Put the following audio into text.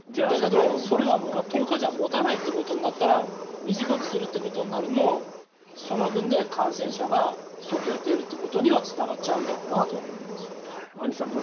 でも、それじゃ１０日じゃ持たないということになったら短くするということになるとその分で感染者が外へ出るということにはつながっちゃうんだろうなと思います。